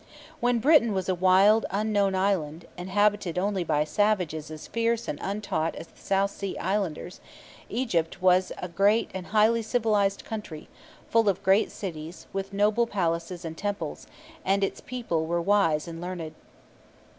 When Britain was a wild, unknown island, inhabited only by savages as fierce and untaught as the South Sea Islanders, Egypt was a great and highly civilized country, full of great cities, with noble palaces and temples, and its people were wise and learned.